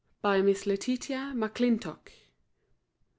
MISS LETITIA MACLINTOCK.